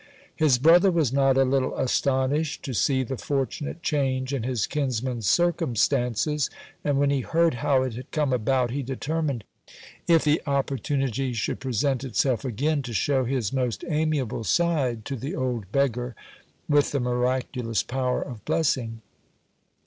His brother was not a little astonished to see the fortunate change in his kinsman's circumstances, and when he heard how it had come about, he determined, if the opportunity should present itself again, to show his most amiable side to the old beggar with the miraculous power of blessing.